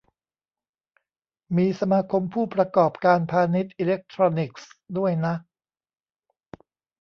มี สมาคมผู้ประกอบการพาณิชย์อิเล็กทรอนิกส์ ด้วยนะ